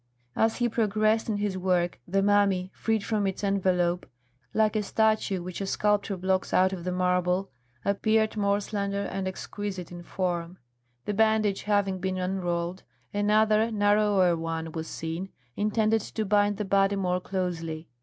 As he progressed in his work, the mummy, freed from its envelope, like a statue which a sculptor blocks out of the marble, appeared more slender and exquisite in form. The bandage having been unrolled, another narrower one was seen, intended to bind the body more closely.